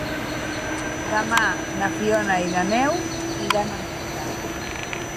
Demà na Fiona i na Neus iran al metge.